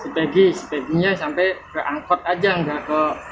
si pegi si peginya sampai ke angkot aja nggak ke terminal